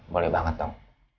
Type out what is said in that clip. boleh banget dong